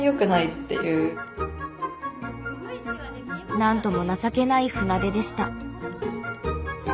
なんとも情けない船出でした。